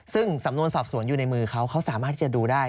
ซึ่งสำนวนสอบสวนอยู่ในมือเขาเขาสามารถที่จะดูได้